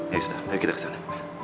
ya sudah mari kita kesana